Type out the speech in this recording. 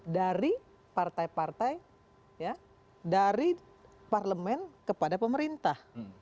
dari partai partai dari parlemen kepada pemerintah